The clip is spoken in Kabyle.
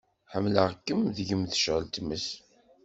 Ḥemmleɣ-kem deg-m tecɛel tmes.